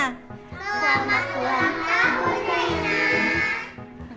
selamat ulang tahun rena